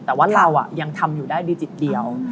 แต่ว่าเรายังทำอยู่ได้ด้วยจิตเดียว